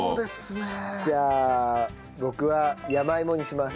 じゃあ僕は山芋にします。